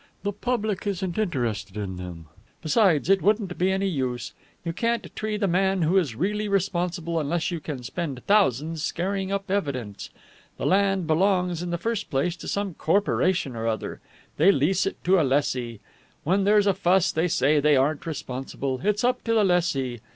The public isn't interested in them. Besides, it wouldn't be any use. You can't tree the man who is really responsible, unless you can spend thousands scaring up evidence. The land belongs in the first place to some corporation or other. They lease it to a lessee. When there's a fuss, they say they aren't responsible, it's up to the lessee.